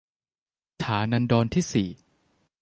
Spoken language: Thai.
ฐานันดรที่สี่